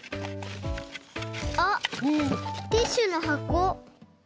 あっティッシュのはこ。